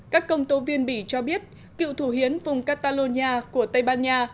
các công tố viên bỉ cho biết cựu thủ hiến vùng catalonia của tây ban nha